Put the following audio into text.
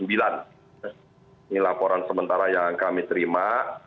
ini laporan sementara yang kami terima